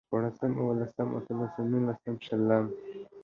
شپاړسم، اوولسم، اتلسم، نولسم، شلم